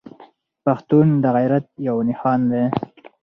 پښتون د غيرت يو نښان دی.